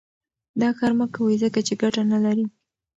دا کار مه کوئ ځکه چې ګټه نه لري.